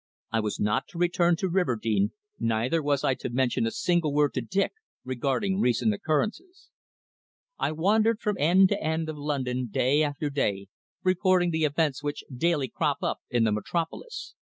I was not to return to Riverdene, neither was I to mention a single word to Dick regarding recent occurrences. I wandered from end to end of London day after day, reporting the events which daily crop up in the Metropolis.